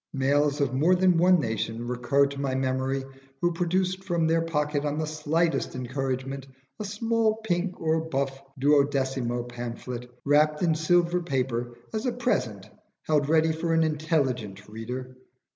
Males of more than one nation recur to my memory who produced from their pocket on the slightest encouragement a small pink or buff duodecimo pamphlet, wrapped in silver paper, as a present held ready for an intelligent reader.